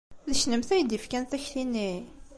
D kennemti ay d-yefkan takti-nni?